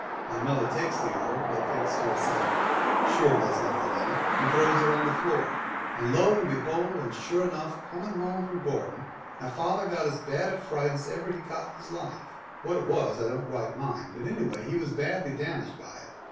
My mother takes the herb, but thinks to herself, " Sure there's nothing in it," and throws it on the floor, and lo and behold, and sure enough ! coming home from Gortin, my father got as bad a fright as ever he got in his life. What it was I don't right mind, but anyway he was badly damaged by it.